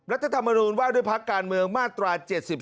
รัฐธรรมนูญว่าด้วยพักการเมืองมาตรา๗๒